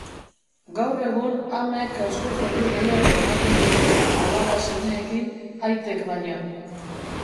Gaur egun amek askoz ordu gehiago ematen dute alaba-semeekin aitek baino.